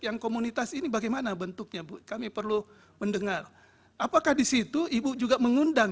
yang komunitas ini bagaimana bentuknya bu kami perlu mendengar apakah disitu ibu juga mengundang